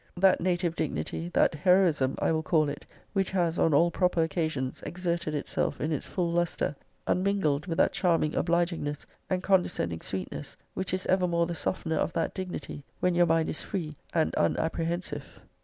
That native dignity, that heroism, I will call it, which has, on all proper occasions, exerted itself in its full lustre, unmingled >>> with that charming obligingness and condescending sweetness, which is evermore the softener of that dignity, when your mind is free and unapprehen sive!